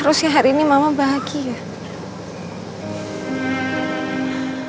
harusnya hari ini mama berubah kembali ke rumah elsa ya